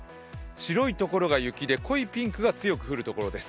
白い所が雪で、濃いピンクが強く降る所です。